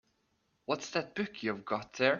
What's that book you've got there?